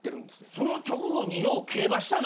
その直後によう競馬したな。